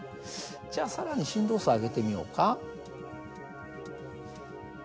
じゃあ更に振動数を上げてみようか。